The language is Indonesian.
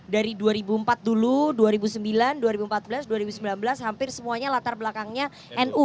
dari dua ribu empat dulu dua ribu sembilan dua ribu empat belas dua ribu sembilan belas hampir semuanya latar belakangnya nu